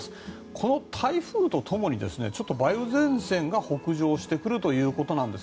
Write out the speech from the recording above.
この台風とともに梅雨前線が北上してくるということです。